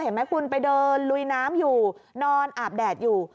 เห็นไหมคุณไปเดินลุยน้ำอยู่นอนอาบแดดอยู่